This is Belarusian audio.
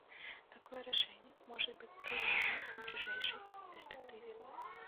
Такое рашэнне можа быць прынятае ў бліжэйшай перспектыве.